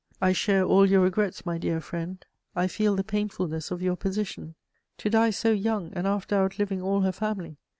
"I share all your regrets, my dear friend: I feel the painfulness of your position. To die so young, and after outliving all her family!